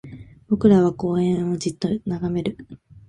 僕らは公園をじっと眺める